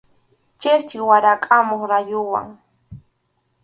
Chikchi warakʼamuq rayuwan.